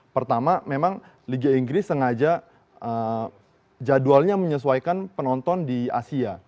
pertama memang liga inggris sengaja jadwalnya menyesuaikan penonton di asia